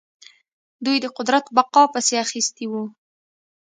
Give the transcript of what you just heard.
دوی د قدرت بقا پسې اخیستي وو.